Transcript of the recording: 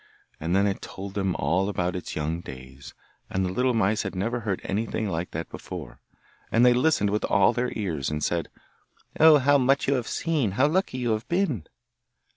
And then it told them all about its young days, and the little mice had never heard anything like that before, and they listened with all their ears, and said: 'Oh, how much you have seen! How lucky you have been!